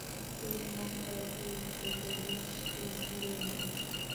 তিনি মক্কার দিক থেকে দৃষ্টি ঘুরিয়ে নেন।